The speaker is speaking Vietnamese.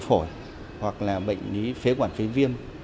phổi hoặc là bệnh phế quản phế viêm